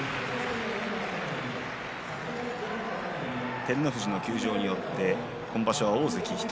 照ノ富士の休場によって今場所、大関１人。